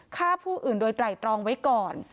ฆ่าผู้อื่นโดยไตรตรองไว้ก่อน